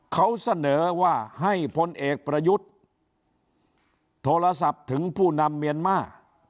เขาเสนอว่าให้พลเอกประยุทธ์โทรศัพท์ถึงผู้นำเมียนมาร์